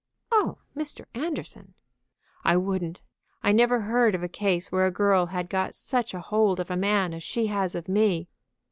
"Oh, Mr. Anderson!" "I wouldn't. I never heard of a case where a girl had got such a hold of a man as she has of me."